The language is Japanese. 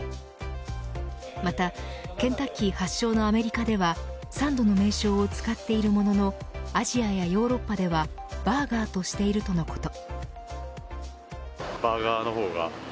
またケンタッキー発祥のアメリカではサンドの名称を使っているもののアジアやヨーロッパではバーガーとしているとのこと。